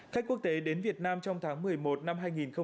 khách quốc tế đến việt nam trong tháng một mươi một năm hai nghìn hai mươi